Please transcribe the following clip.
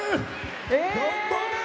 頑張れー！